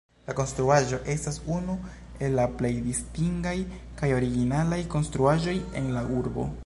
La konstruaĵo estas unu el la plej distingaj kaj originalaj konstruaĵoj en la urbo.